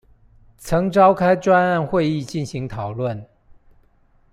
曾召開專案會議進行討論